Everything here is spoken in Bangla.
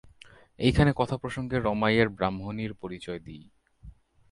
এইখানে কথাপ্রসঙ্গে রমাইয়ের ব্রাহ্মণীর পরিচয় দিই।